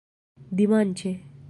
dimanĉe